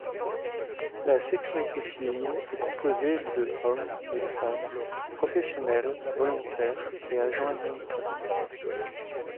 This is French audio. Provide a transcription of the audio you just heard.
La sécurité civile est composée de hommes et femmes, professionnels, volontaires et agents administratifs.